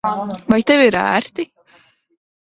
Vai tev ir ērti?